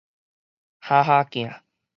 哈哈鏡